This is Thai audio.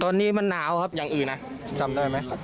ตอนนี้มันหนาวครับอย่างอื่นนะจำได้ไหม